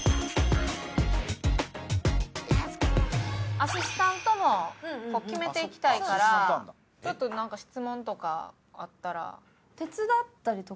アシスタントも決めていきたいからちょっとなんか質問とかあったら。